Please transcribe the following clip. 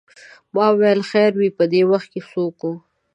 ما ویل خیر وې په دې وخت څوک و.